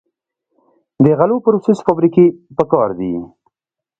د غلو پروسس فابریکې پکار دي.